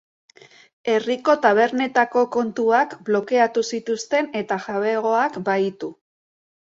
Herriko tabernetako kontuak blokeatu zituzten eta jabegoak bahitu.